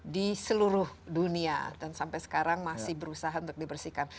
di seluruh dunia dan sampai sekarang masih berusaha untuk dibersihkan